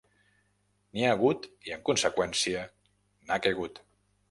N'hi ha hagut i, en conseqüència, n'ha caigut.